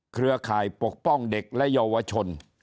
เครือข่ายปกป้องเด็กและเยาวชน